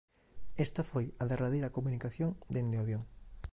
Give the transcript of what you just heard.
Esta foi a derradeira comunicación dende o avión.